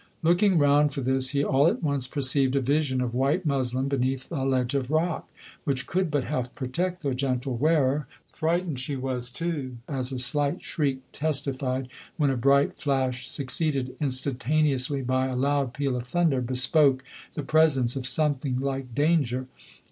Looking round for this, he all at once perceived a vision of white muslin beneath a ledge of rock, which could but half protect the gentle wearer: frightened she was, too, as a slight shriek tes tified, when a bright flash, succeeded instanta neously by a loud peal of thunder, bespoke the presence of something like danger.